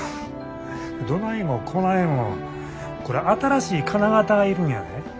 どないもこないもこれ新しい金型が要るんやで。